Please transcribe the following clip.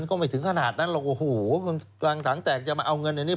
เออมันก็ไม่ถึงขนาดนั้นหรอกโถโหคลังถังแต่งจะมาเอาเงินอย่างนี้